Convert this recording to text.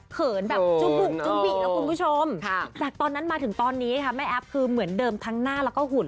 แบบจุบุกจุบิแล้วคุณผู้ชมจากตอนนั้นมาถึงตอนนี้ค่ะแม่แอฟคือเหมือนเดิมทั้งหน้าแล้วก็หุ่น